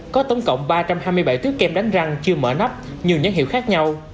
có tổng cộng ba trăm hai mươi bảy tiết kem đánh răng chưa mở nắp như nhóm hiệu khác nhau